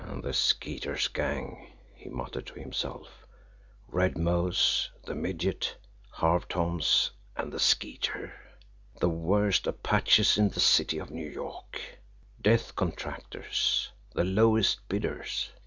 "The Skeeter's gang!" he muttered to himself. "Red Mose, the Midget, Harve Thoms and the Skeeter! The Worst apaches in the city of New York; death contractors the lowest bidders!